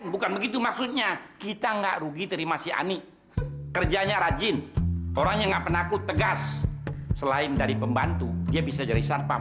bukan begitu maksudnya kita nggak rugi terima si ani kerjanya rajin orangnya nggak penakut tegas selain dari pembantu dia bisa jadi sarpam